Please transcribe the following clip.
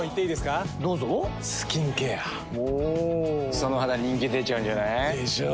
その肌人気出ちゃうんじゃない？でしょう。